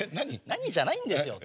何じゃないんですよ。